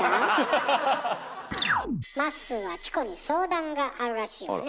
まっすーはチコに相談があるらしいわね。